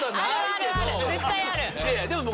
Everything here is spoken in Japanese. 絶対ある！